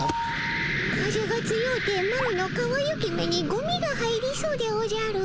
風が強うてマロのかわゆき目にゴミが入りそうでおじゃる。